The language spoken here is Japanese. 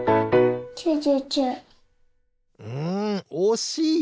んおしい！